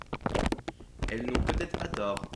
Elles n'ont peut-être pas tort.